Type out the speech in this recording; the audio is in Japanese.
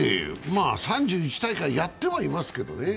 ３１大会、やってはいますけどね。